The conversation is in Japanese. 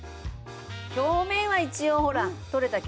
表面は一応ほら取れたけどさ。